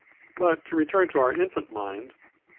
] But to return to our infant mind.